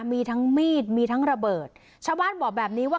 มีทั้งมีดมีทั้งระเบิดชาวบ้านบอกแบบนี้ว่า